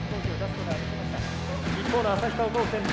一方の旭川高専Ｂ